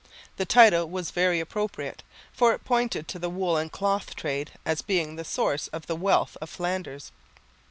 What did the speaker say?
The title was very appropriate, for it pointed to the wool and cloth trade as being the source of the wealth of Flanders.